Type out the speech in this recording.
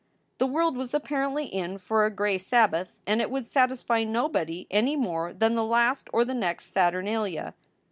The world was apparently in for a gray Sabbath and it would satisfy nobody any more than the last or the next Saturnalia.